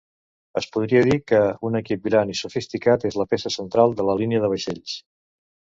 Es podria dir que un equip gran i sofisticat és la peça central de la línia de vaixells.